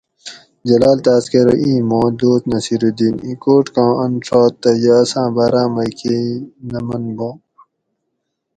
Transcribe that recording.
جلال تاۤس کہ ارو اِیں ماں دوست نصیرالدین اِیں کوٹ کاں اۤن ڛات تہ یہ اساۤں باۤراۤ مئ کئ نہ منباں